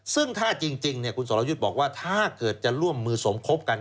ซึ่งถ้าจริงคุณสรยุทธ์บอกว่าถ้าเกิดจะร่วมมือสมคบกัน